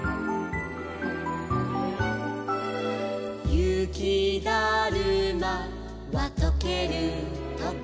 「ゆきだるまはとけるとき」